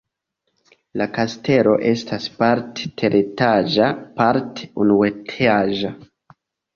La kastelo estas parte teretaĝa, parte unuetaĝa.